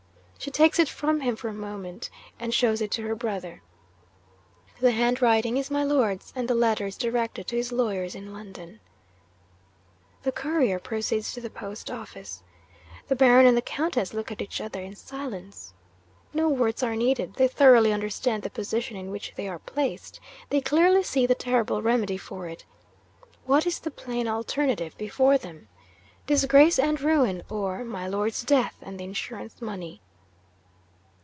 She takes it from him for a moment, and shows it to her brother. The handwriting is my Lord's; and the letter is directed to his lawyers in London. 'The Courier proceeds to the post office. The Baron and the Countess look at each other in silence. No words are needed. They thoroughly understand the position in which they are placed; they clearly see the terrible remedy for it. What is the plain alternative before them? Disgrace and ruin or, my Lord's death and the insurance money!